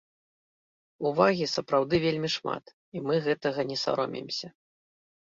Увагі сапраўды вельмі шмат, і мы гэтага не саромеемся.